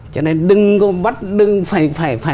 cho nên đừng phải